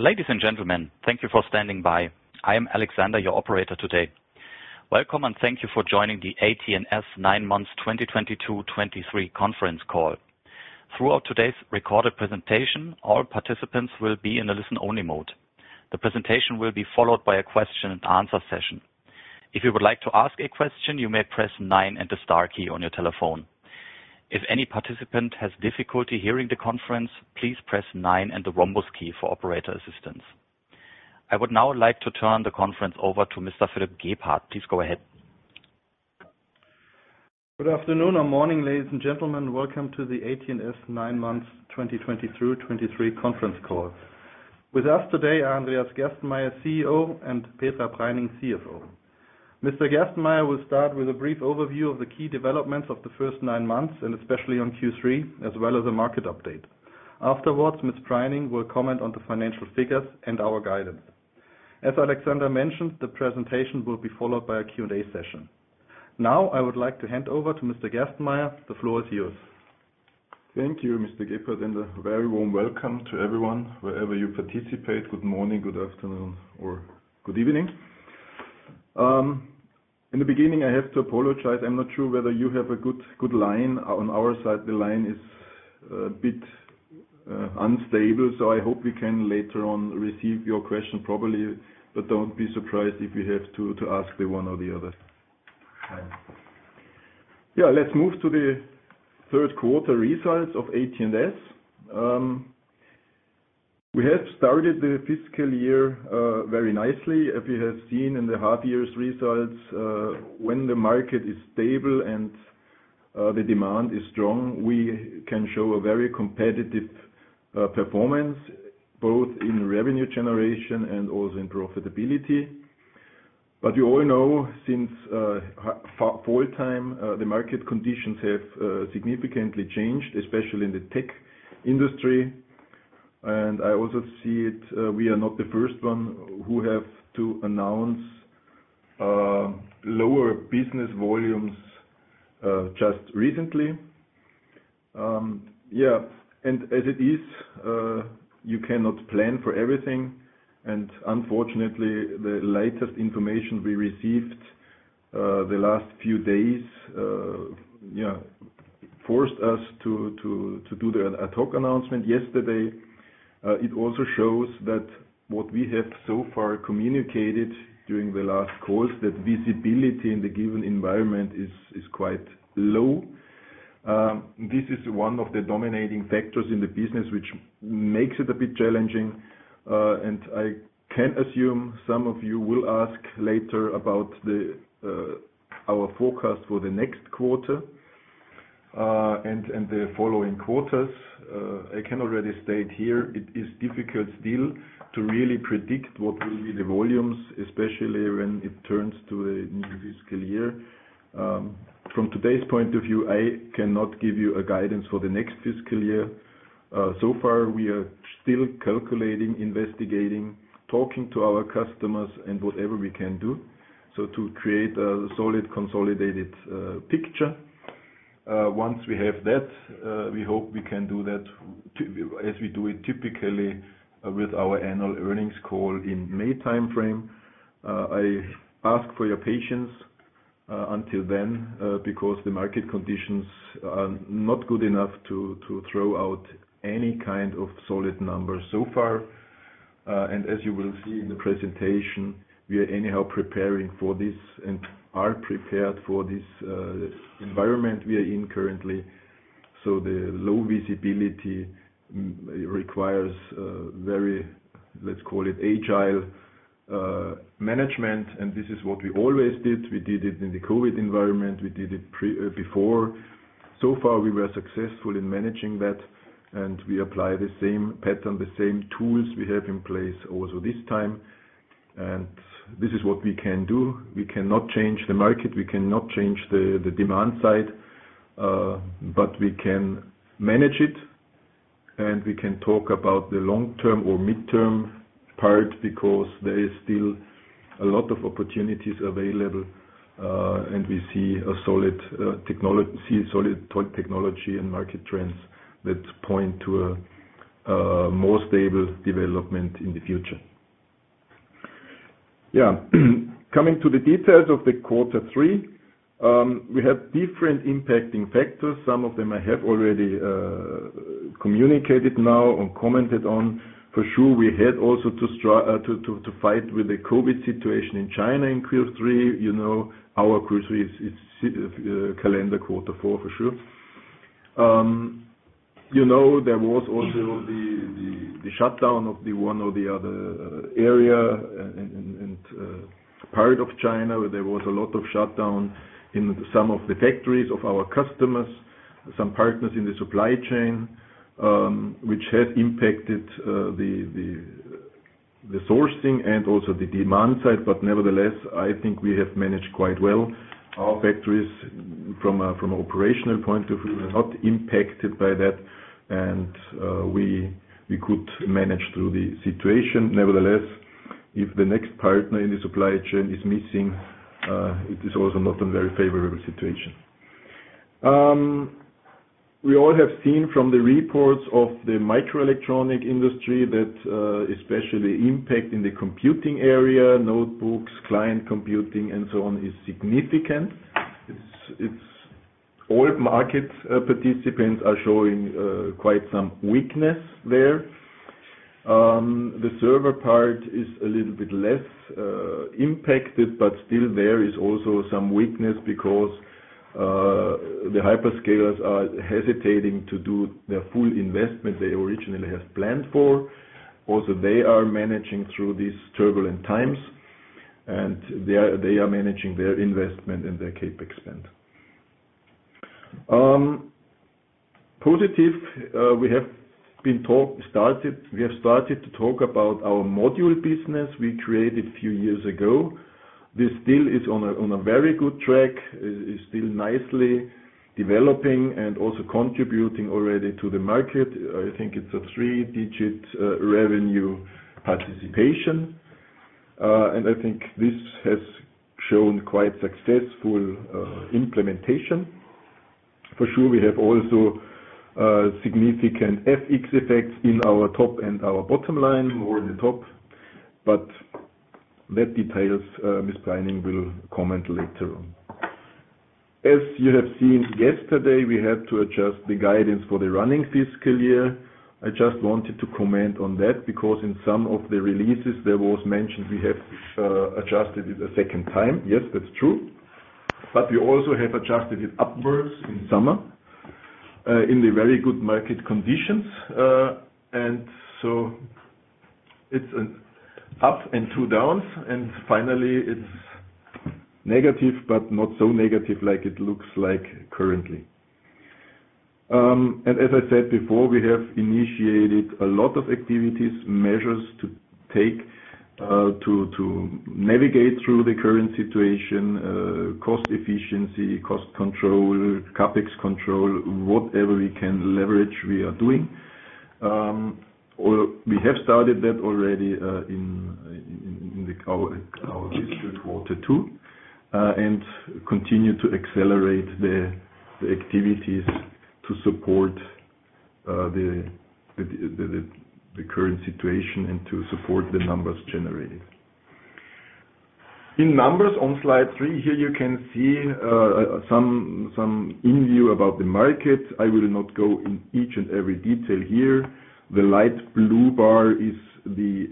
Ladies and gentlemen, thank you for standing by. I am Alexander, your operator today. Welcome and thank you for joining the AT&S Nine Months 2022/2023 Conference Call. Throughout today's recorded presentation, all participants will be in a listen-only mode. The presentation will be followed by a question and answer session. If you would like to ask a question, you may press nine and the star key on your telephone. If any participant has difficulty hearing the conference, please press nine and the rhombus key for operator assistance. I would now like to turn the conference over to Mr. Philipp Gebhardt. Please go ahead. Good afternoon or morning, ladies and gentlemen. Welcome to the AT&S Nine Months 2022 Through 2023 Conference Call. With us today, Andreas Gerstenmayer, CEO, and Petra Preining, CFO. Mr. Gerstenmayer will start with a brief overview of the key developments of the first nine months, and especially on Q3, as well as a market update. Afterwards, Ms. Preining will comment on the financial figures and our guidance. As Alexander mentioned, the presentation will be followed by a Q&A session. Now, I would like to hand over to Mr. Gerstenmayer. The floor is yours. Thank you, Mr. Gebhardt, a very warm welcome to everyone. Wherever you participate, good morning, good afternoon, or good evening. In the beginning, I have to apologize. I'm not sure whether you have a good line. On our side, the line is a bit unstable, so I hope we can later on receive your question properly. Don't be surprised if you have to ask the one or the other. Let's move to the Q3 results of AT&S. We have started the fiscal year very nicely. If you have seen in the half year's results, when the market is stable and the demand is strong, we can show a very competitive performance, both in revenue generation and also in profitability. You all know since fall time, the market conditions have significantly changed, especially in the tech industry. I also see it, we are not the first one who have to announce lower business volumes just recently. Yeah. As it is, you cannot plan for everything, and unfortunately, the latest information we received the last few days, you know, forced us to do the ad hoc announcement yesterday. It also shows that what we have so far communicated during the last calls, that visibility in the given environment is quite low. This is one of the dominating factors in the business, which makes it a bit challenging. I can assume some of you will ask later about the our forecast for the next quarter and the following quarters. I can already state here it is difficult still to really predict what will be the volumes, especially when it turns to a new fiscal year. From today's point of view, I cannot give you a guidance for the next fiscal year. So far we are still calculating, investigating, talking to our customers and whatever we can do, so to create a solid, consolidated picture. Once we have that, we hope we can do that as we do it typically with our annual earnings call in May timeframe. I ask for your patience until then because the market conditions are not good enough to throw out any kind of solid numbers so far. As you will see in the presentation, we are anyhow preparing for this and are prepared for this environment we are in currently. The low visibility requires a very, let's call it agile management. This is what we always did. We did it in the COVID environment. We did it before. So far, we were successful in managing that, and we apply the same pattern, the same tools we have in place also this time. This is what we can do. We cannot change the market. We cannot change the demand side, but we can manage it, and we can talk about the long-term or midterm part because there is still a lot of opportunities available, and we see a solid technology and market trends that point to a more stable development in the future. Coming to the details of the quarter three, we have different impacting factors. Some of them I have already communicated now or commented on. For sure, we had also to fight with the COVID situation in China in Q3. You know, our Q3 is calendar quarter four for sure. You know, there was also the shutdown of the one or the other area and part of China, where there was a lot of shutdown in some of the factories of our customers, some partners in the supply chain, which has impacted the sourcing and also the demand side. Nevertheless, I think we have managed quite well. Our factories from an operational point of view, were not impacted by that and we could manage through the situation. Nevertheless, if the next partner in the supply chain is missing, it is also not a very favorable situation. We all have seen from the reports of the microelectronic industry that especially impact in the computing area, notebooks, client computing and so on is significant. It's All market participants are showing quite some weakness there. The server part is a little bit less impacted, but still there is also some weakness because the Hyperscalers are hesitating to do their full investment they originally had planned for. They are managing through these turbulent times, and they are managing their investment and their CapEx spend. Positive, we have started to talk about our module business we created a few years ago. This still is on a very good track. It is still nicely developing and also contributing already to the market. I think it's a three-digit revenue participation. I think this has shown quite successful implementation. For sure, we have also significant FX effects in our top and our bottom line, more in the top. That details Ms. Preining will comment later on. As you have seen yesterday, we had to adjust the guidance for the running fiscal year. I just wanted to comment on that because in some of the releases there was mentioned we have adjusted it a second time. Yes, that's true. We also have adjusted it upwards in summer in the very good market conditions. It's an up and two downs, and finally it's negative, but not so negative like it looks like currently. As I said before, we have initiated a lot of activities, measures to take to navigate through the current situation, cost efficiency, cost control, CapEx control, whatever we can leverage, we are doing. Or we have started that already in our Q3 and continue to accelerate the activities to support the current situation and to support the numbers generated. In numbers on slide three here, you can see some in view about the market. I will not go in each and every detail here. The light blue bar is the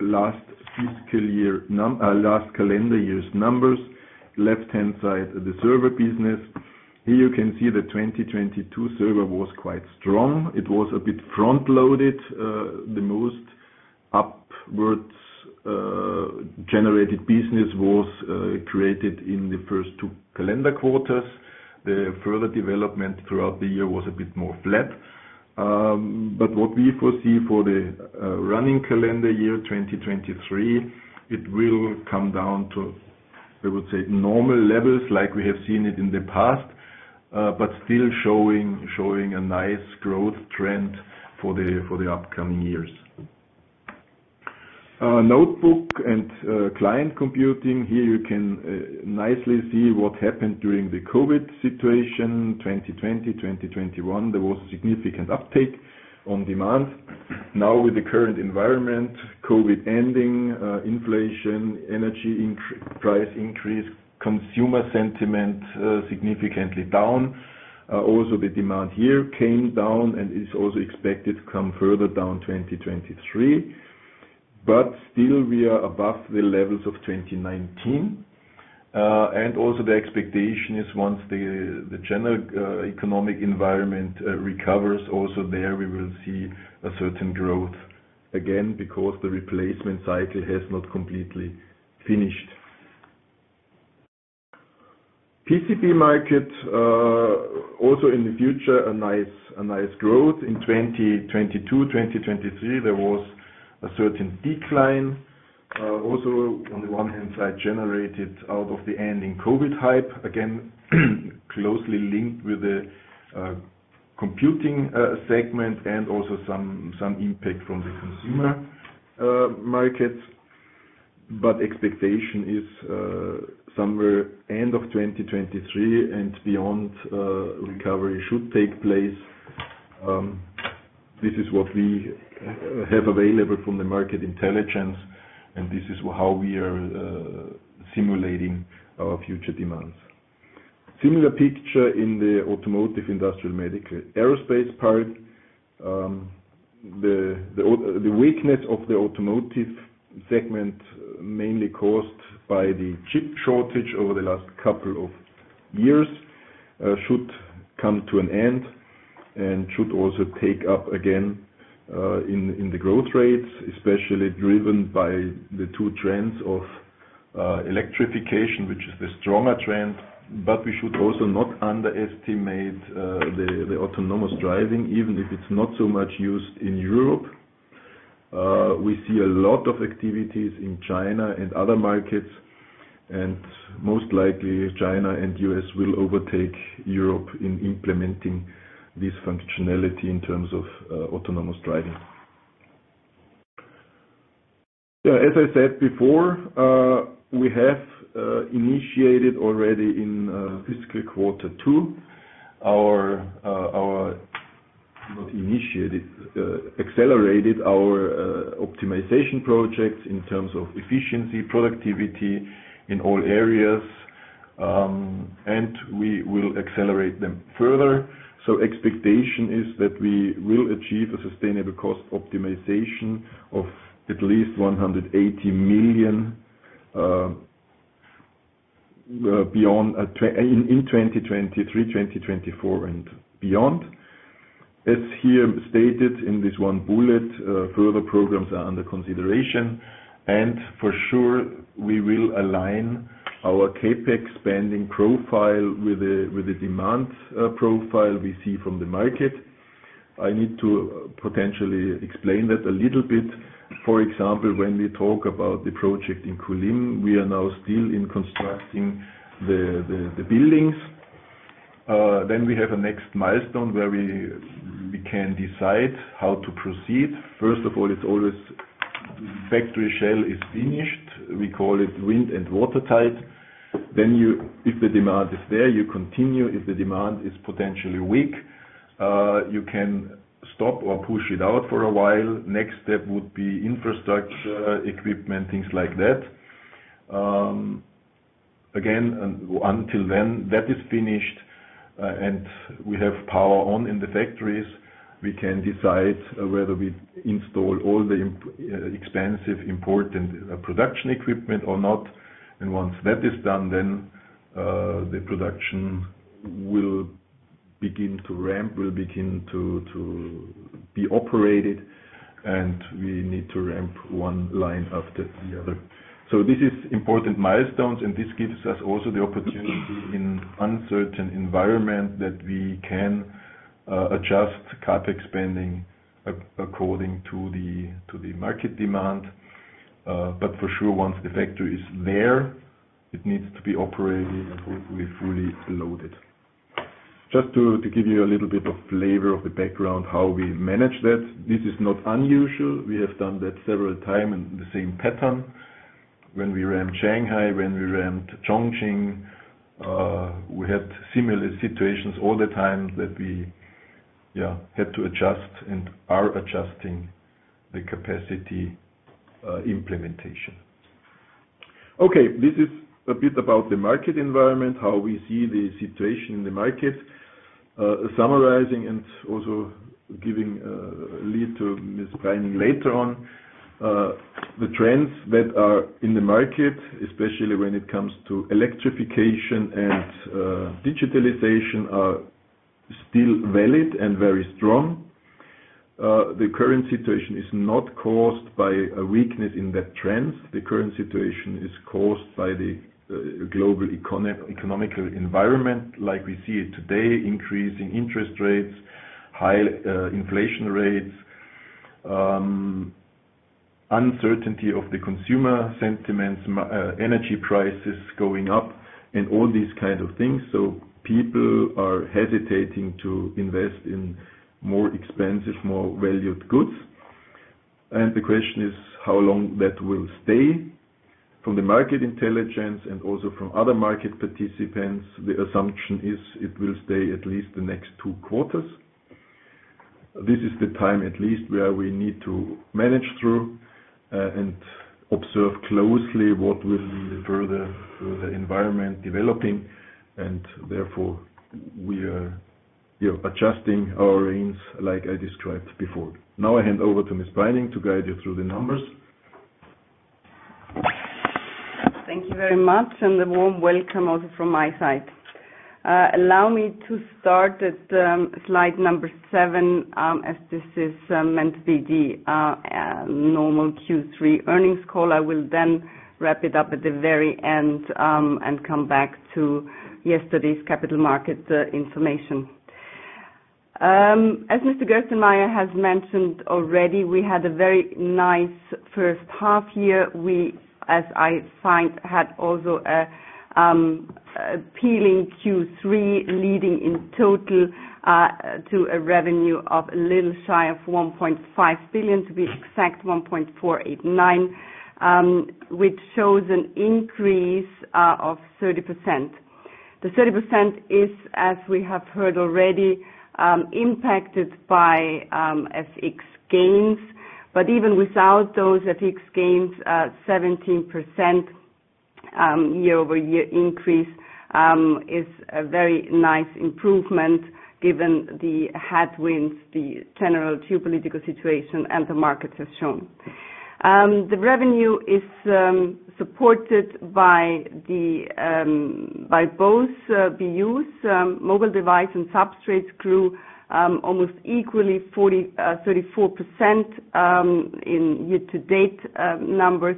last fiscal year, last calendar year's numbers. Left-hand side, the server business. Here you can see the 2022 server was quite strong. It was a bit front-loaded. The most upwards generated business was created in the first two calendar quarters. The further development throughout the year was a bit more flat. What we foresee for the running calendar year, 2023, it will come down to, I would say, normal levels like we have seen it in the past, still showing a nice growth trend for the upcoming years. Notebook and client computing. Here you can nicely see what happened during the COVID situation, 2020, 2021. There was significant uptake on demand. Now with the current environment, COVID ending, inflation, energy price increase, consumer sentiment significantly down. Also the demand here came down and is also expected to come further down in 2023. Still we are above the levels of 2019. Also the expectation is once the general economic environment recovers, also there we will see a certain growth again because the replacement cycle has not completely finished. PCB market, also in the future, a nice growth. In 2022, 2023, there was a certain decline. Also on the one hand side, generated out of the ending COVID hype. Again, closely linked with the computing segment and also some impact from the consumer market. Expectation is, somewhere end of 2023 and beyond, recovery should take place. This is what we have available from the market intelligence, and this is how we are simulating our future demands. Similar picture in the automotive, industrial, medical, aerospace part. The weakness of the automotive segment, mainly caused by the chip shortage over the last couple of years, should come to an end and should also take up again, in the growth rates, especially driven by the two trends of electrification, which is the stronger trend. We should also not underestimate, the autonomous driving, even if it's not so much used in Europe. We see a lot of activities in China and other markets, and most likely China and U.S. will overtake Europe in implementing this functionality in terms of autonomous driving. As I said before, we have initiated already in fiscal Q2 not initiated, accelerated our, optimization projects in terms of efficiency, productivity in all areas, and we will accelerate them further. Expectation is that we will achieve a sustainable cost optimization of at least EUR 180 million in 2023, 2024 and beyond. As here stated in this one bullet, further programs are under consideration. For sure, we will align our CapEx spending profile with the demand profile we see from the market. I need to potentially explain that a little bit. For example, when we talk about the project in Kulim, we are now still in constructing the buildings. We have a next milestone where we can decide how to proceed. First of all, it's always factory shell is finished. We call it wind and water tight. If the demand is there, you continue. If the demand is potentially weak, you can stop or push it out for a while. Next step would be infrastructure, equipment, things like that. Until then, that is finished, and we have power on in the factories, we can decide whether we install all the expensive, important, production equipment or not. Once that is done, the production will begin to ramp, will begin to be operated, and we need to ramp one line after the other. This is important milestones, and this gives us also the opportunity in uncertain environment that we can adjust CapEx spending according to the market demand. For sure, once the factory is there, it needs to be operated and hopefully fully loaded. Just to give you a little bit of flavor of the background, how we manage that. This is not unusual. We have done that several time in the same pattern. When we ramped Shanghai, when we ramped Chongqing, we had similar situations all the time that we had to adjust and are adjusting the capacity implementation. Okay, this is a bit about the market environment, how we see the situation in the market. Summarizing and also giving a lead to Ms. Preining later on. The trends that are in the market, especially when it comes to electrification and digitalization, are still valid and very strong. The current situation is not caused by a weakness in that trends. The current situation is caused by the global economical environment like we see it today, increasing interest rates, high inflation rates, uncertainty of the consumer sentiments, energy prices going up, and all these kind of things. People are hesitating to invest in more expensive, more valued goods. The question is how long that will stay. From the market intelligence and also from other market participants, the assumption is it will stay at least the next Q2. This is the time at least where we need to manage through and observe closely what will be the further environment developing. Therefore, we are, you know, adjusting our range like I described before. Now I hand over to Ms. Preining to guide you through the numbers. Thank you very much. A warm welcome also from my side. Allow me to start at slide number seven, as this is meant to be the normal Q3 Earnings Call. I will then wrap it up at the very end, come back to yesterday's capital market information. As Mr. Gerstenmayer has mentioned already, we had a very nice first half year. We, as I find, had also an appealing Q3 leading in total to a revenue of a little shy of 1.5 billion, to be exact, 1.489 billion, which shows an increase of 30%. The 30% is, as we have heard already, impacted by FX gains. Even without those FX gains, 17% year-over-year increase is a very nice improvement given the headwinds, the general geopolitical situation and the markets have shown. The revenue is supported by both BUs. Mobile Devices & Substrates grew almost equally 34% in year-to-date numbers.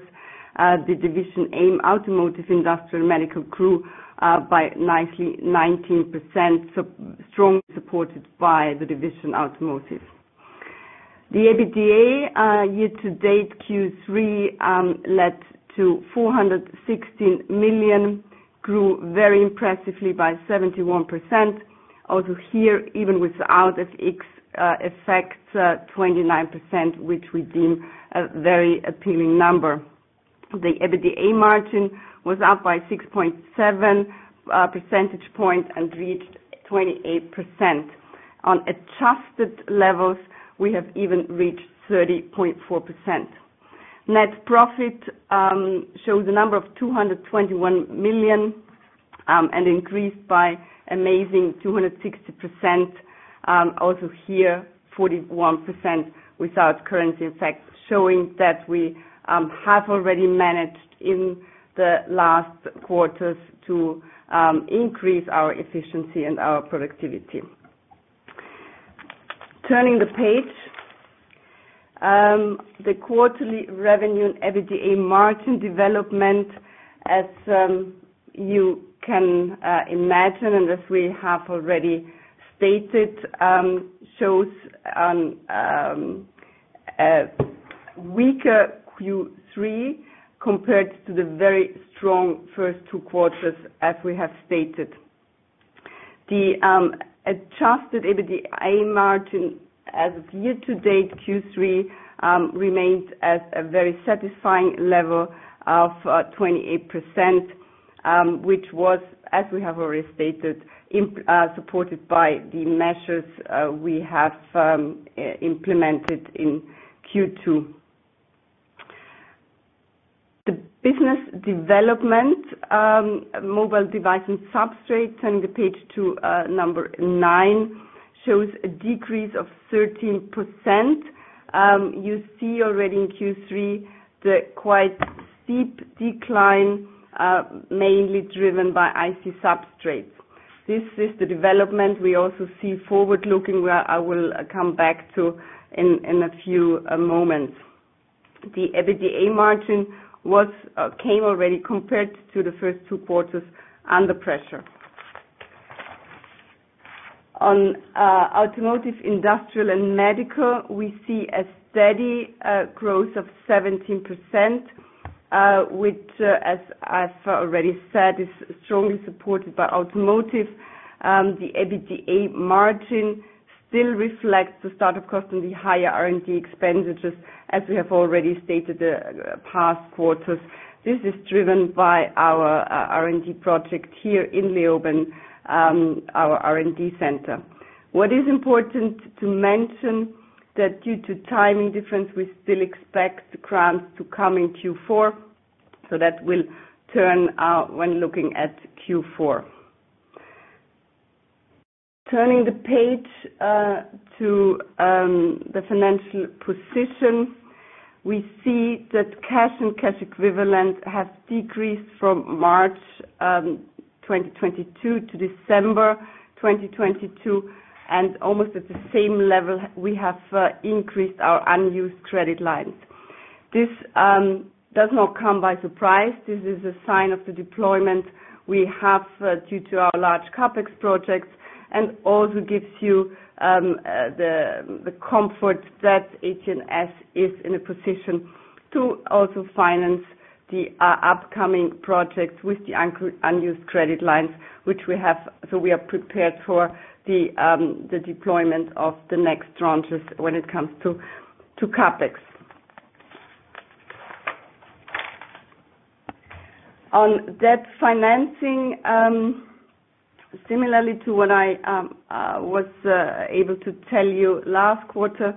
The division AIM, Automotive, Industrial, Medical grew nicely 19%, strongly supported by the division Automotive. The EBITDA year-to-date Q3 led to 416 million. Grew very impressively by 71%. Also here, even without FX effects, 29%, which we deem a very appealing number. The EBITDA margin was up by 6.7 percentage points and reached 28%. On adjusted levels, we have even reached 30.4%. Net profit shows a number of 221 million and increased by amazing 260%. Also here, 41% without currency effects, showing that we have already managed in the last quarters to increase our efficiency and our productivity. Turning the page. The quarterly revenue and EBITDA margin development, as you can imagine, and as we have already stated, shows a weaker Q3 compared to the very strong first two quarters, as we have stated. The Adjusted EBITDA margin as of year-to-date Q3 remains at a very satisfying level of 28%, which was, as we have already stated, supported by the measures we have implemented in Q2. The business development, Mobile Devices & Substrates, turning the page to number nine, shows a decrease of 13%. You see already in Q3 the quite steep decline, mainly driven by IC substrates. This is the development we also see forward-looking, where I will come back to in a few moments. The EBITDA margin was came already compared to the first two quarters under pressure. On Automotive, Industrial, and Medical, we see a steady growth of 17%, which as I already said, is strongly supported by automotive. The EBITDA margin still reflects the start of cost and the higher R&D expenditures, as we have already stated the past quarters. This is driven by our R&D project here in Leoben, our R&D center. What is important to mention that due to timing difference, we still expect the grants to come in Q4, so that will turn out when looking at Q4. Turning the page to the financial position. We see that cash and cash equivalent has decreased from March 2022 to December 2022, and almost at the same level we have increased our unused credit lines. This does not come by surprise. This is a sign of the deployment we have due to our large CapEx projects, and also gives you the comfort that AT&S is in a position to also finance the upcoming projects with the unused credit lines, which we have. We are prepared for the deployment of the next tranches when it comes to CapEx. On debt financing, similarly to what I was able to tell you last quarter,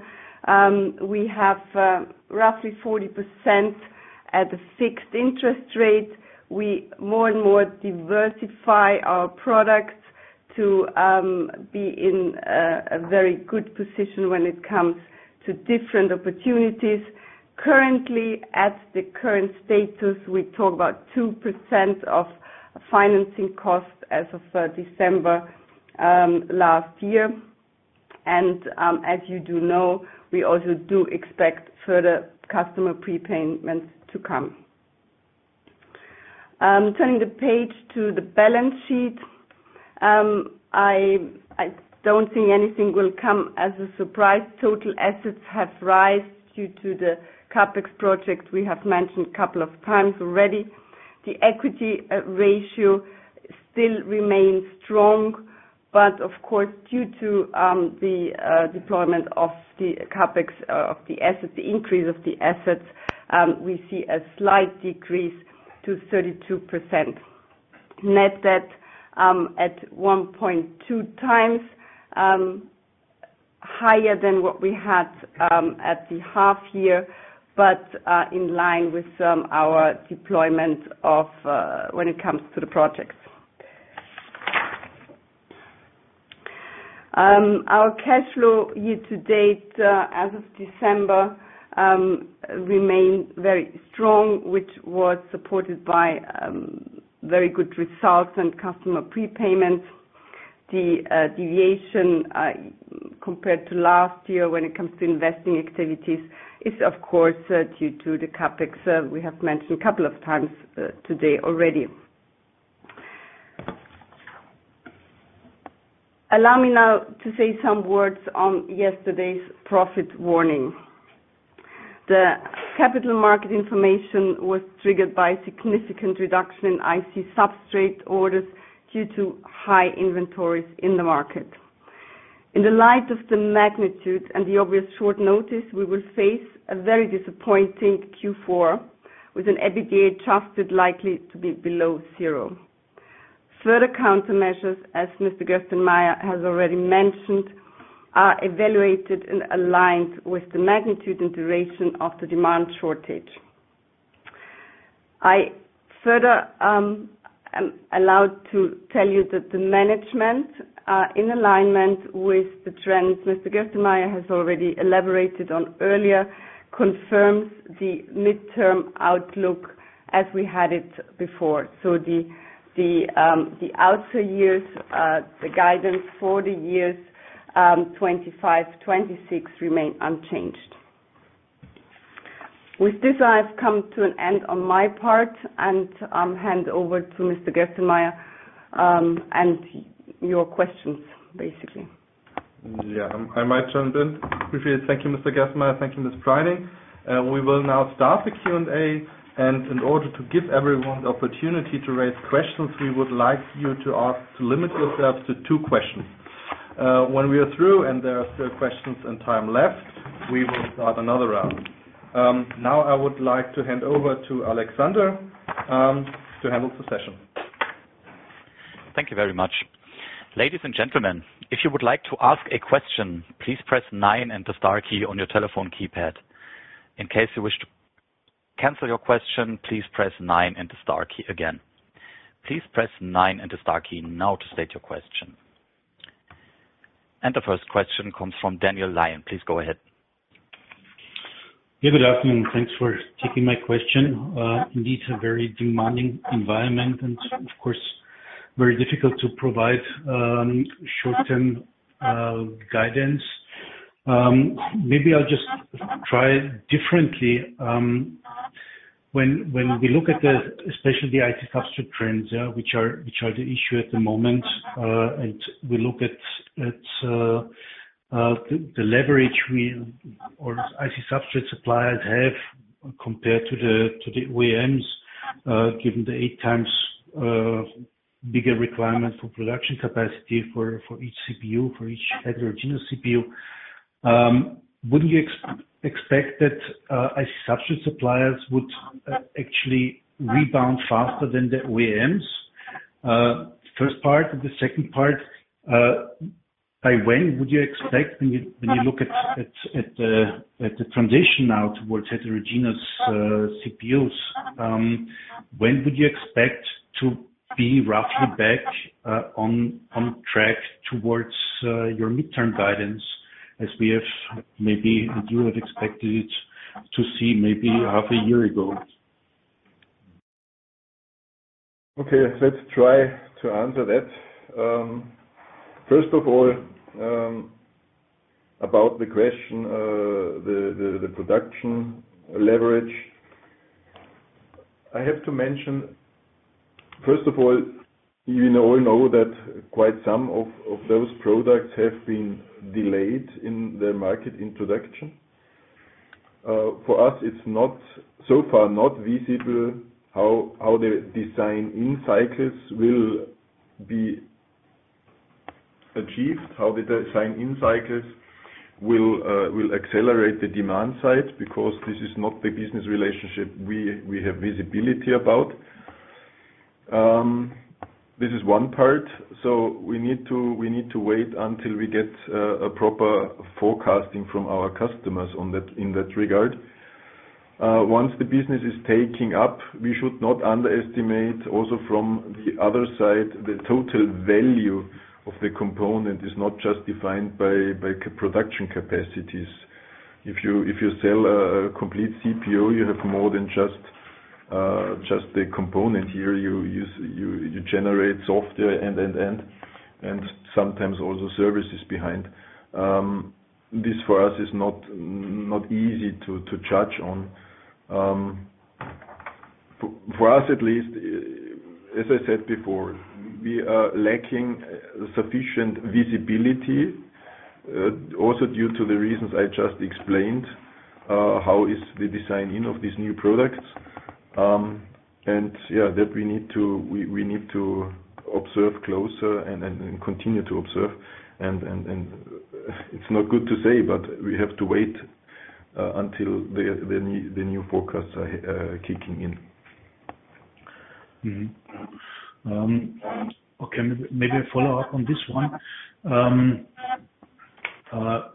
we have roughly 40% at a fixed interest rate. We more and more diversify our products to be in a very good position when it comes to different opportunities. Currently, at the current status, we talk about 2% of financing costs as of December last year. As you do know, we also do expect further customer prepayments to come. Turning the page to the balance sheet. I don't think anything will come as a surprise. Total assets have rised due to the CapEx projects we have mentioned a couple of times already. The equity ratio still remains strong, but of course, due to the deployment of the CapEx of the assets, the increase of the assets, we see a slight decrease to 32%. Net debt at 1.2 times higher than what we had at the half year, but in line with our deployment of when it comes to the projects. Our cash flow year-to-date as of December remained very strong, which was supported by very good results and customer prepayments. The deviation compared to last year when it comes to investing activities is of course due to the CapEx we have mentioned a couple of times today already. Allow me now to say some words on yesterday's profit warning. The capital market information was triggered by significant reduction in IC substrate orders due to high inventories in the market. In the light of the magnitude and the obvious short notice, we will face a very disappointing Q4 with an EBITDA trusted likely to be below zero. Further countermeasures, as Mr. Gerstenmayer has already mentioned, are evaluated and aligned with the magnitude and duration of the demand shortage. I further am allowed to tell you that the management, in alignment with the trends Mr. Gerstenmayer has already elaborated on earlier, confirms the midterm outlook as we had it before. The outer years, the guidance for the years, 2025, 2026 remain unchanged. With this, I have come to an end on my part and hand over to Mr. Gerstenmayer, and your questions, basically. Yeah. I might jump in briefly. Thank you, Mr. Gerstenmayer. Thank you, Ms. Preining. We will now start the Q&A, and in order to give everyone the opportunity to raise questions, we would like you to limit yourselves to two questions. When we are through and there are still questions and time left, we will start another round. Now I would like to hand over to Alexander to handle the session. Thank you very much. Ladies and gentlemen, if you would like to ask a question, please press nine and the star key on your telephone keypad. In case you wish to cancel your question, please press nine and the star key again. Please press nine and the star key now to state your question. The first question comes from Daniel Lion. Please go ahead. Good afternoon. Thanks for taking my question. Indeed, a very demanding environment and of course, very difficult to provide short-term guidance. Maybe I'll just try differently. When we look at the especially the IC substrate trends, which are the issue at the moment, and we look at the leverage we or IC substrate suppliers have compared to the OEMs, given the eight times bigger requirement for production capacity for each CPU, for each heterogeneous CPU, wouldn't you expect that IC substrate suppliers would actually rebound faster than the OEMs? First part. The second part, by when would you expect when you look at the transition now towards heterogeneous CPUs, when would you expect to be roughly back on track towards your midterm guidance as we have maybe you had expected to see maybe half a year ago? Okay, let's try to answer that. First of all, about the question, the production leverage. I have to mention, first of all, you know, that quite some of those products have been delayed in their market introduction. For us, it's not, so far not visible how the design-in cycles will be achieved, how the design-in cycles will accelerate the demand side because this is not the business relationship we have visibility about. This is one part. We need to wait until we get a proper forecasting from our customers on that in that regard. Once the business is taking up, we should not underestimate also from the other side, the total value of the component is not just defined by production capacities. If you sell a complete CPU, you have more than just the component here. You generate software end to end, and sometimes also services behind. This for us is not easy to judge on. For us at least, as I said before, we are lacking sufficient visibility, also due to the reasons I just explained, how is the design-in of these new products. Yeah, that we need to observe closer and continue to observe. It's not good to say, but we have to wait until the new forecasts are kicking in. Okay. Maybe a follow-up on this one.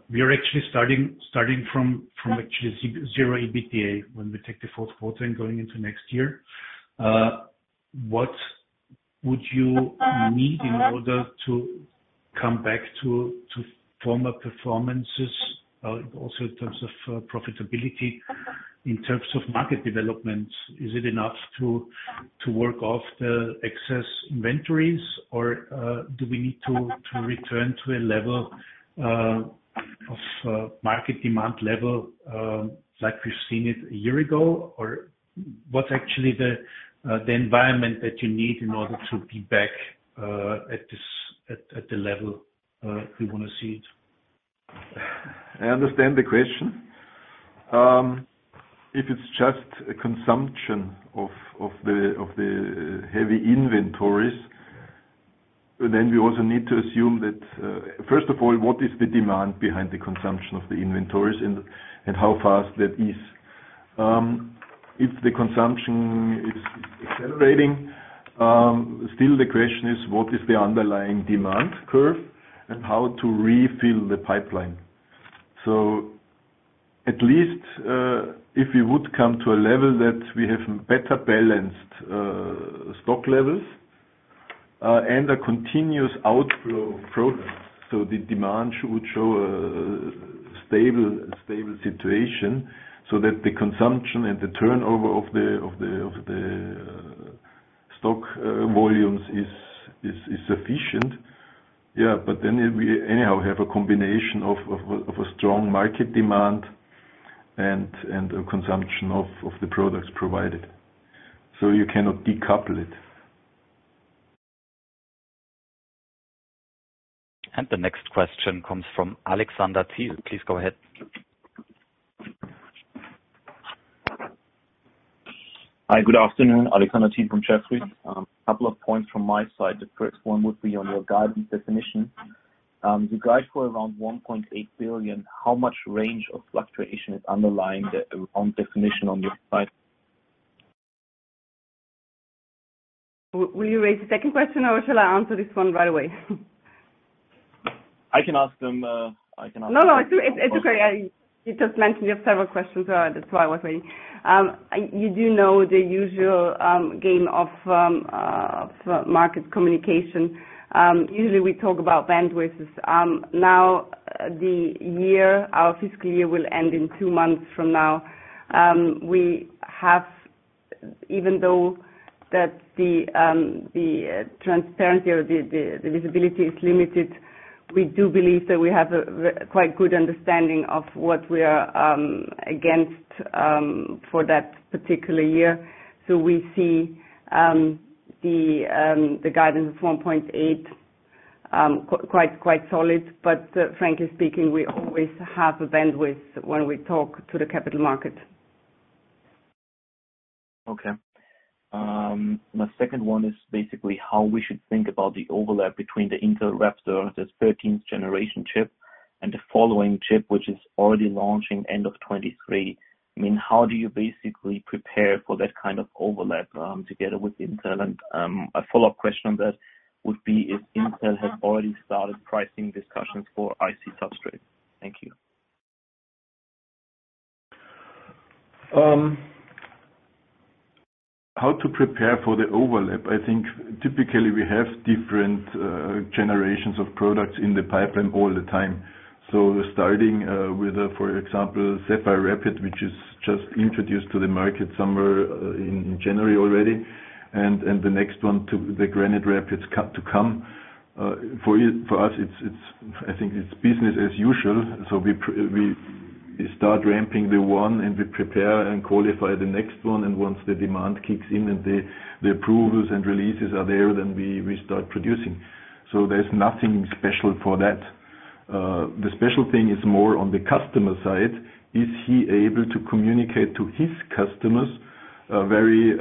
We are actually starting from actually zero EBITDA when we take the fourth quarter and going into next year. What would you need in order to come back to former performances, also in terms of profitability, in terms of market developments? Is it enough to work off the excess inventories or, do we need to return to a level? Of, market demand level, like we've seen it a year ago? Or what's actually the environment that you need in order to be back, at this, at the level, we wanna see it? I understand the question. If it's just a consumption of the heavy inventories, then we also need to assume that, first of all, what is the demand behind the consumption of the inventories and how fast that is. If the consumption is accelerating, still the question is what is the underlying demand curve and how to refill the pipeline. At least, if we would come to a level that we have better balanced stock levels and a continuous outflow of products, the demand should show a stable situation so that the consumption and the turnover of the stock volumes is sufficient. Then we anyhow have a combination of a strong market demand and a consumption of the products provided. You cannot decouple it. The next question comes from Alexander Thiel. Please go ahead. Hi, good afternoon. Alexander Thiel from Jefferies. A couple of points from my side. The first one would be on your guidance definition. You guide for around 1.8 billion. How much range of fluctuation is underlying the, on definition on this side? Will you raise the second question, or shall I answer this one right away? I can ask them. No, no. It's okay. You just mentioned you have several questions, that's why I was waiting. You do know the usual game of market communication. Usually, we talk about bandwidths. Now the year, our fiscal year will end in 2 months from now. Even though that the transparency or the visibility is limited, we do believe that we have a quite good understanding of what we are against for that particular year. We see the guidance of 1.8 quite solid. Frankly speaking, we always have a bandwidth when we talk to the capital market. Okay. My second one is basically how we should think about the overlap between the Intel Raptor, this 13th generation chip, and the following chip, which is already launching end of 2023. I mean, how do you basically prepare for that kind of overlap together with Intel? A follow-up question on that would be if Intel has already started pricing discussions for IC substrate. Thank you. How to prepare for the overlap? I think typically we have different generations of products in the pipeline all the time. Starting with, for example, Sapphire Rapids, which is just introduced to the market somewhere in January already, and the next one to the Granite Rapids to come. For us, it's, I think it's business as usual. We start ramping the one, and we prepare and qualify the next one, and once the demand kicks in and the approvals and releases are there, then we start producing. There's nothing special for that. The special thing is more on the customer side. Is he able to communicate to his customers a very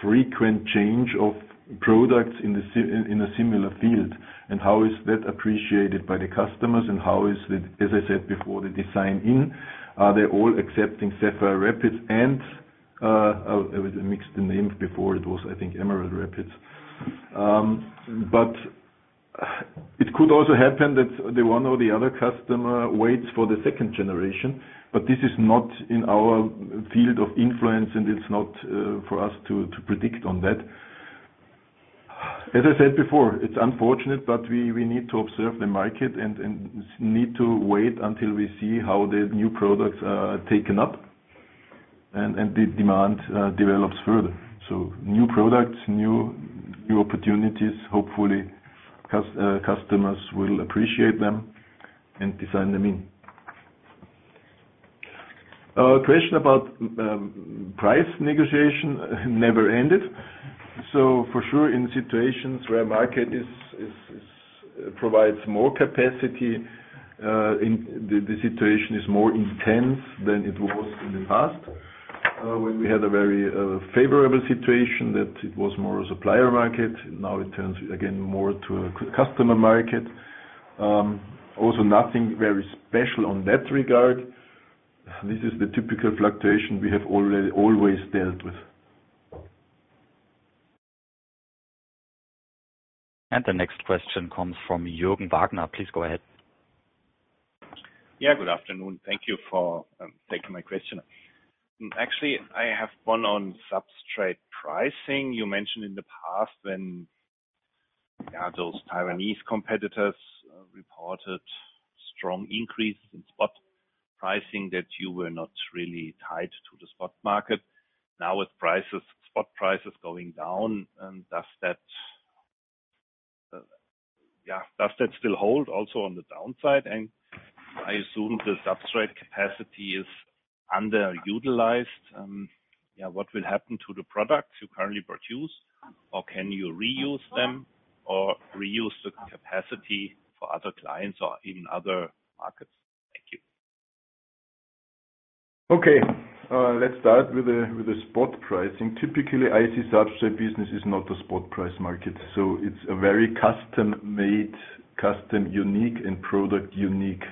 frequent change of products in a similar field? How is that appreciated by the customers, and how is it, as I said before, the design-in? Are they all accepting Sapphire Rapids and I mixed the names before. It was, I think, Emerald Rapids. It could also happen that the one or the other customer waits for the second generation, but this is not in our field of influence, and it's not for us to predict on that. As I said before, it's unfortunate, but we need to observe the market and need to wait until we see how the new products are taken up and the demand develops further. New products, new opportunities. Hopefully, customers will appreciate them and design them in. Question about price negotiation never ended. For sure, in situations where market provides more capacity, in... The situation is more intense than it was in the past, when we had a very favorable situation that it was more a supplier market. Now it turns again more to a customer market. Also nothing very special on that regard. This is the typical fluctuation we have already always dealt with. The next question comes from Jürgen Wagner. Please go ahead. Good afternoon. Thank you for taking my question. Actually, I have one on substrate pricing. You mentioned in the past when those Taiwanese competitors reported strong increase in spot... pricing that you were not really tied to the spot market. Now with prices, spot prices going down, and does that, yeah, does that still hold also on the downside? I assume the substrate capacity is underutilized. Yeah, what will happen to the products you currently produce? Or can you reuse them or reuse the capacity for other clients or even other markets? Thank you. Okay. Let's start with the spot pricing. Typically, IC substrate business is not a spot price market. It's a very custom-made, custom unique and product unique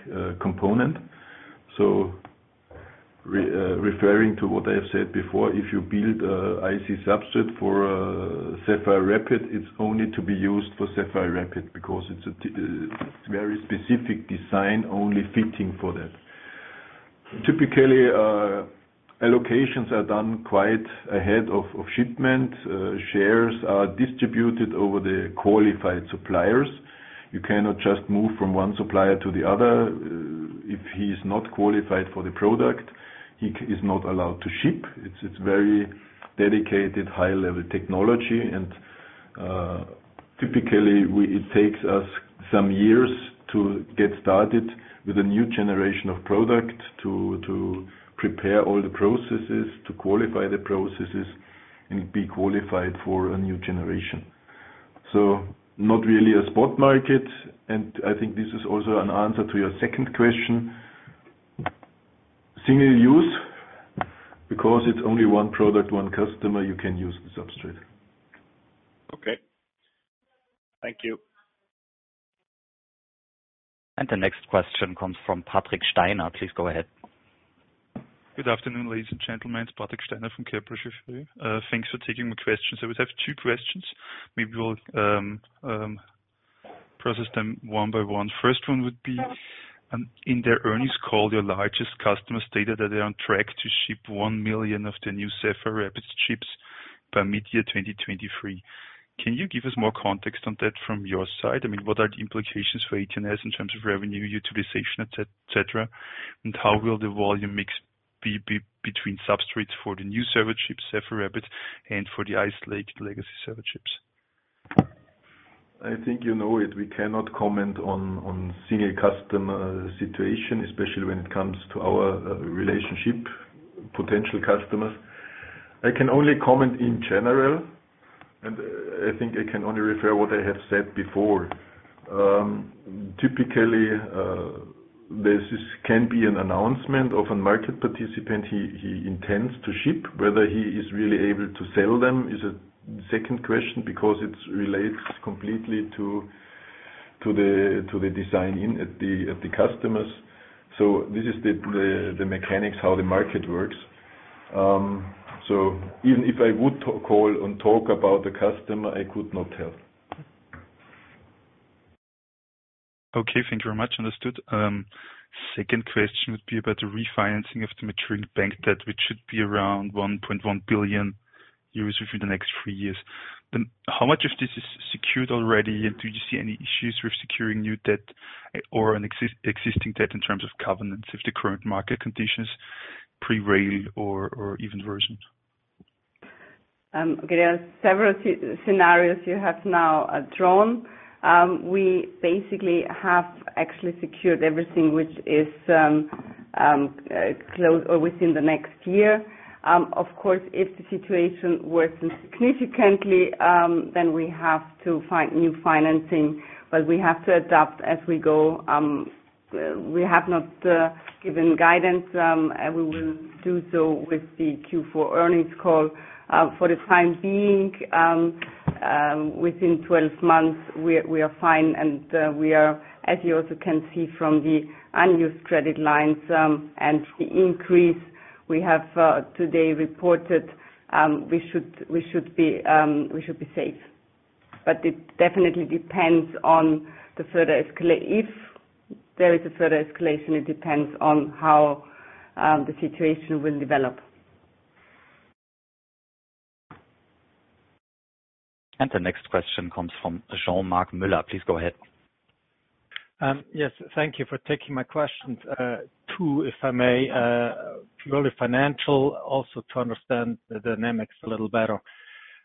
component. Referring to what I have said before, if you build a IC substrate for a Sapphire Rapids, it's only to be used for Sapphire Rapids because it's a very specific design only fitting for that. Typically, allocations are done quite ahead of shipment. Shares are distributed over the qualified suppliers. You cannot just move from one supplier to the other. If he is not qualified for the product, he is not allowed to ship. It's very dedicated, high-level technology and typically it takes us some years to get started with a new generation of product to prepare all the processes, to qualify the processes and be qualified for a new generation. Not really a spot market, and I think this is also an answer to your second question. Single use, because it's only one product, one customer, you can use the substrate. Okay. Thank you. The next question comes from Patrick Steiner. Please go ahead. Good afternoon, ladies and gentlemen. It's Patrick Steiner from Kepler Cheuvreux. Thanks for taking my questions. I would have two questions. Maybe we'll process them one by one. First one would be, in their earnings call, your largest customer stated that they are on track to ship 1 million of their new Sapphire Rapids chips by mid-year 2023. Can you give us more context on that from your side? I mean, what are the implications for AT&S in terms of revenue utilization, etcetera? And how will the volume mix be between substrates for the new server chips, Sapphire Rapids, and for the isolated legacy server chips? I think you know it. We cannot comment on single customer situation, especially when it comes to our relationship, potential customers. I can only comment in general. I think I can only refer what I have said before. Typically, this is can be an announcement of a market participant he intends to ship. Whether he is really able to sell them is a second question because it relates completely to the design-in at the customers. This is the mechanics how the market works. Even if I would call and talk about the customer, I could not help. Okay. Thank you very much. Understood. Second question would be about the refinancing of the maturing bank debt, which should be around 1.1 billion euros within the next three years. How much of this is secured already? Do you see any issues with securing new debt or an existing debt in terms of covenants if the current market conditions prevail or even worsen? Okay. There are several scenarios you have now drawn. We basically have actually secured everything which is closed or within the next year. Of course, if the situation worsens significantly, then we have to find new financing, but we have to adapt as we go. We have not given guidance, and we will do so with the Q4 Earnings Call. For the time being, within 12 months, we are fine and we are, as you also can see from the unused credit lines, and the increase we have today reported, we should be safe. It definitely depends on the further escalation. If there is a further escalation, it depends on how the situation will develop. The next question comes from Jean-Marc Mueller. Please go ahead. Yes. Thank you for taking my questions. Two, if I may, purely financial, also to understand the dynamics a little better.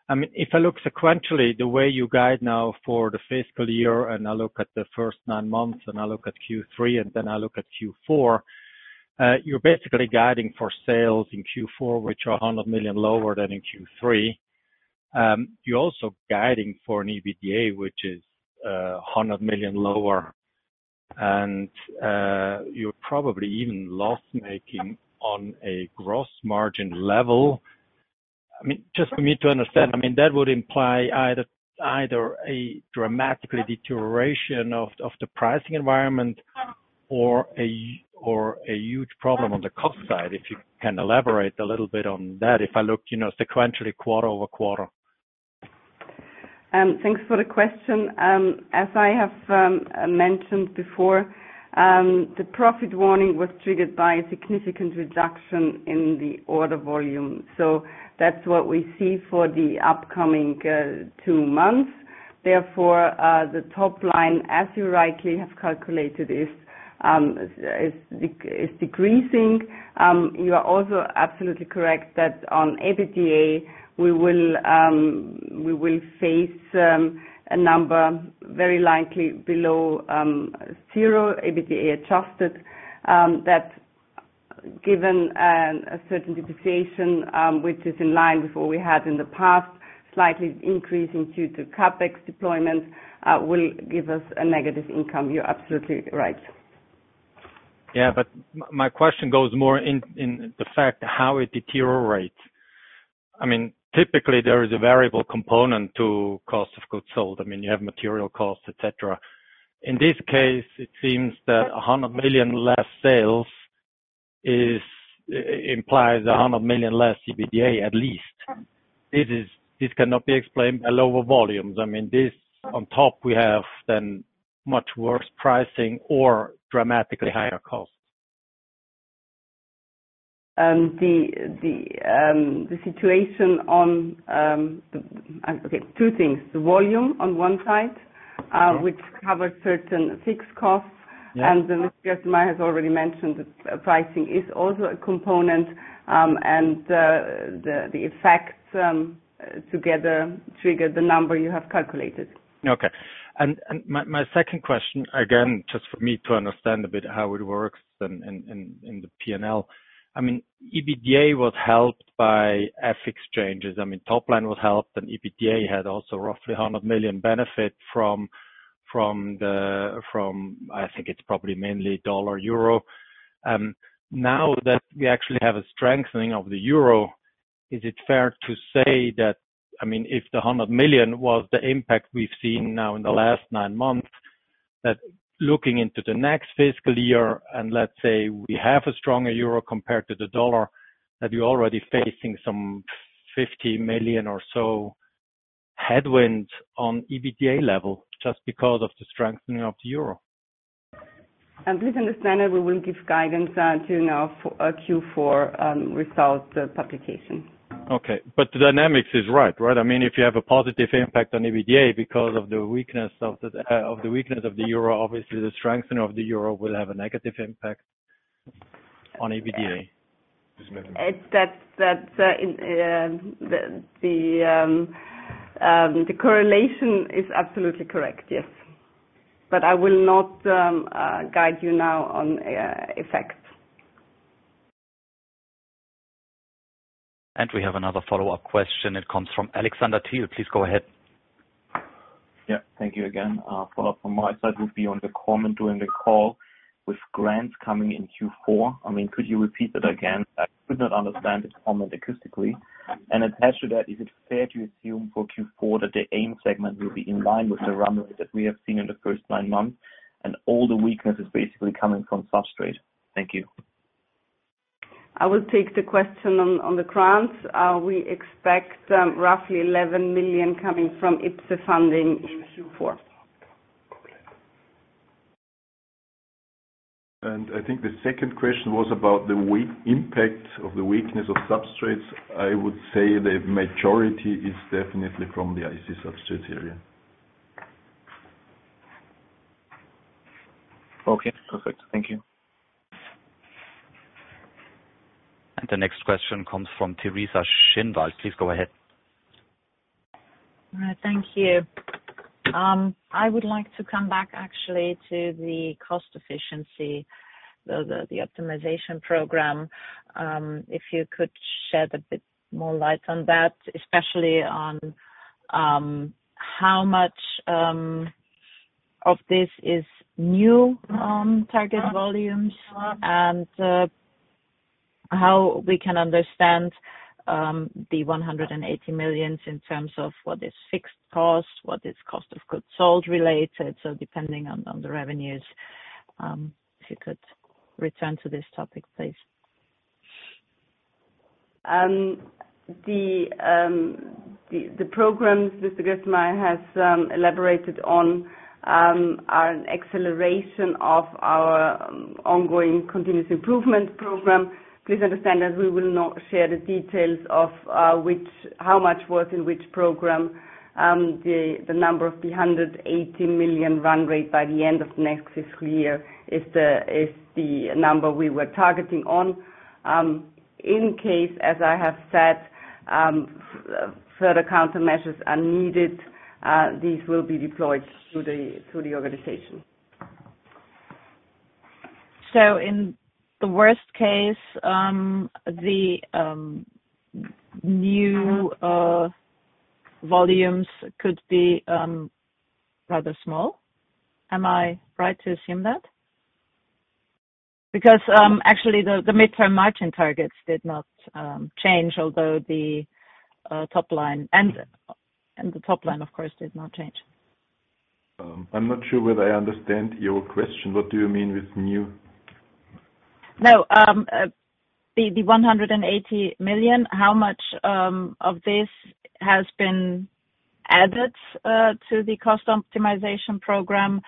I mean, if I look sequentially, the way you guide now for the fiscal year, and I look at the first nine months, and I look at Q3, and then I look at Q4, you're basically guiding for sales in Q4, which are 100 million lower than in Q3. You're also guiding for an EBITDA, which is, 100 million lower. You're probably even loss-making on a gross margin level. I mean, just for me to understand, I mean, that would imply either a dramatically deterioration of the pricing environment or a huge problem on the cost side. If you can elaborate a little bit on that, if I look, you know, sequentially quarter-over-quarter. Thanks for the question. As I have mentioned before, the profit warning was triggered by a significant reduction in the order volume. That's what we see for the upcoming 2 months. The top line, as you rightly have calculated, is decreasing. You are also absolutely correct that on EBITDA, we will face a number very likely below zero Adjusted EBITDA, that given a certain depreciation, which is in line with what we had in the past, slightly increasing due to CapEx deployment, will give us a negative income. You're absolutely right. Yeah. My question goes more in the fact how it deteriorates. I mean, typically, there is a variable component to cost of goods sold. I mean, you have material costs, et cetera. In this case, it seems that 100 million less sales is implies 100 million less EBITDA, at least. Yeah. This is, this cannot be explained by lower volumes. I mean, this on top, we have then much worse pricing or dramatically higher costs. Okay, two things. The volume on one side- Okay. which covers certain fixed costs. Yeah. Mr. Gerstenmayer has already mentioned that pricing is also a component, and the effects, together trigger the number you have calculated. Okay. My second question, again, just for me to understand a bit how it works in the P&L. I mean, EBITDA was helped by FX changes. I mean, top line was helped, and EBITDA had also roughly 100 million benefit from I think it's probably mainly dollar-euro. Now that we actually have a strengthening of the euro, is it fair to say that, I mean, if the 100 million was the impact we've seen now in the last nine months, that looking into the next fiscal year, and let’s say we have a stronger euro compared to the dollar, that you’re already facing some 50 million or so headwind on EBITDA level just because of the strengthening of the euro? Please understand that we will give guidance during our Q4 results publication. Okay. The dynamics is right? I mean, if you have a positive impact on EBITDA because of the weakness of the euro, obviously, the strengthening of the euro will have a negative impact on EBITDA. Just a minute. It's that the correlation is absolutely correct, yes. I will not guide you now on effects. We have another follow-up question. It comes from Alexander Thiel. Please go ahead. Yeah. Thank you again. A follow-up from my side would be on the comment during the call with grants coming in Q4. I mean, could you repeat it again? I could not understand the comment acoustically. Attached to that, is it fair to assume for Q4 that the AIM segment will be in line with the run rate that we have seen in the first nine months, and all the weakness is basically coming from substrate? Thank you. I will take the question on the grants. We expect roughly 11 million coming from IPCEI funding in Q4. I think the second question was about the weak impact of the weakness of substrates. I would say the majority is definitely from the IC substrates area. Okay. Perfect. Thank you. The next question comes from Teresa Schinwald. Please go ahead. All right. Thank you. I would like to come back actually to the cost efficiency, the optimization program. If you could shed a bit more light on that, especially on how much of this is new, target volumes, and how we can understand the 180 million in terms of what is fixed costs, what is cost of goods sold related, so depending on the revenues. If you could return to this topic, please. The programs Mr. Gerstenmayer has elaborated on are an acceleration of our ongoing continuous improvement program. Please understand that we will not share the details of which, how much was in which program. The number of the 180 million run rate by the end of next fiscal year is the number we were targeting on. In case, as I have said, further countermeasures are needed, these will be deployed through the organization. In the worst case, the new volumes could be rather small. Am I right to assume that? Actually, the midterm margin targets did not change although the top line, and the top line, of course, did not change. I'm not sure whether I understand your question. What do you mean with new? No. The 180 million, how much of this has been added to the cost optimization program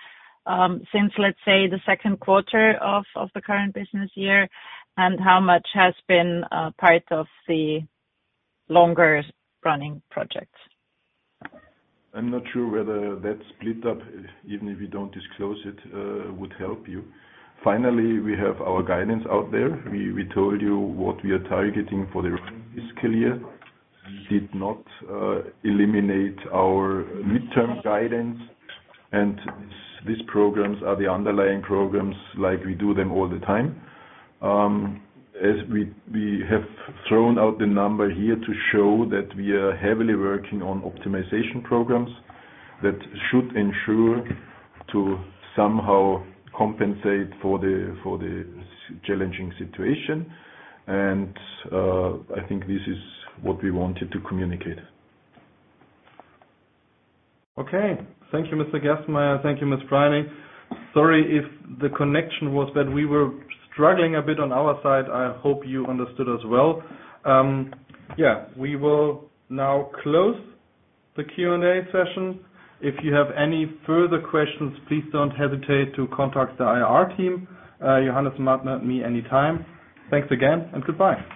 since let's say the second quarter of the current business year, and how much has been part of the longer-running projects? I'm not sure whether that split up, even if we don't disclose it, would help you. Finally, we have our guidance out there. We told you what we are targeting for the fiscal year. We did not eliminate our midterm guidance. These programs are the underlying programs, like we do them all the time. As we have thrown out the number here to show that we are heavily working on optimization programs that should ensure to somehow compensate for the challenging situation. I think this is what we wanted to communicate. Okay. Thank you, Mr. Gerstenmayer. Thank you, Ms. Preining. Sorry if the connection was bad. We were struggling a bit on our side. I hope you understood as well. Yeah. We will now close the Q&A session. If you have any further questions, please don't hesitate to contact the IR team, Johannes, Martin, or me anytime. Thanks again and goodbye.